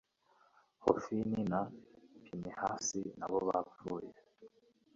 hofini na pinehasi, na bo bapfuye